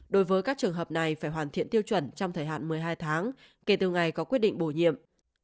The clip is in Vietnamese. đối với các trường hợp này phải hoàn thiện tiêu chuẩn trong thời hạn một mươi hai tháng kể từ ngày có quyết định bổ nhiệm